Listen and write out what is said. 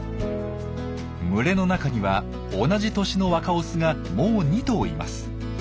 群れの中には同じ年の若オスがもう２頭います。